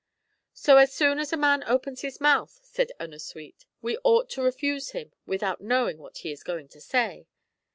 "So as soon as a man opens his mouth," said Ennasuite, " we ought to refuse him, without knowing what he is going to say